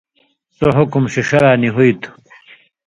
سو حُکُم ݜِݜہ نہ نی ہُوئ تُھو،